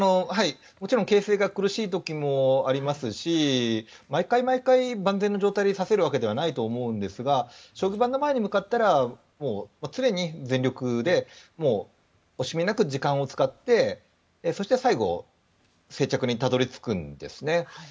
もちろん形勢が苦しい時もありますし毎回毎回、万全の状態で指せるわけではないと思うんですが将棋盤の前に向かったら常に全力で惜しみなく時間を使ってそして、最後正着にたどり着くんですね。